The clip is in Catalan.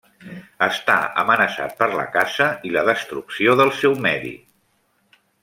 Està amenaçat per la caça i la destrucció del seu medi.